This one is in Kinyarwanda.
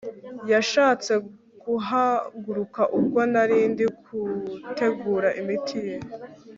yashatse guhaguruka ubwo narindi kutegura imiti ye